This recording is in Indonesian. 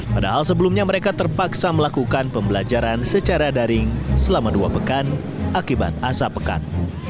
padahal sebelumnya mereka terpaksa melakukan pembelajaran secara daring selama dua pekan akibat asap pekat